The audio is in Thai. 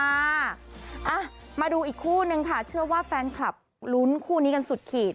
อ่ะมาดูอีกคู่นึงค่ะเชื่อว่าแฟนคลับลุ้นคู่นี้กันสุดขีด